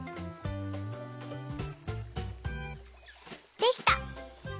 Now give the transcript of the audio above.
できた！